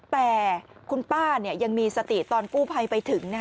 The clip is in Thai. แต่คุณป้ายังมีสติตอนกู้ภัยไปถึง